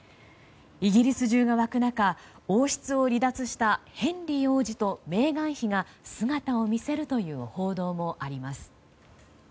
イギリス中が沸く中王室を離脱したヘンリー王子とメーガン妃が姿を見せるという報道もあります。